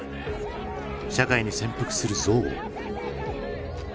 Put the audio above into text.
社会に潜伏する憎悪。